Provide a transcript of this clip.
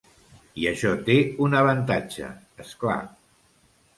I això té un avantatge, és clar.